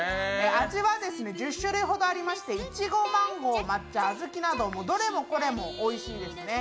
味は１０種類ほどありまして、いちご、マンゴー抹茶、小豆など、どれもこれもおいしいですね。